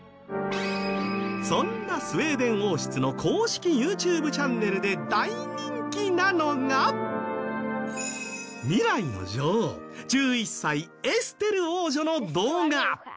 そんなスウェーデン王室の公式ＹｏｕＴｕｂｅチャンネルで大人気なのが、未来の女王１１歳エステル王女の動画。